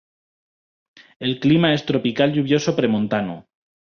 El clima es tropical lluvioso pre-montano.